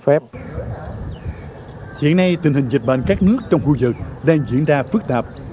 hiện nay tình hình dịch bệnh các nước trong khu vực đang diễn ra phức tạp